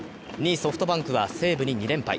２位・ソフトバンクは西武に２連敗。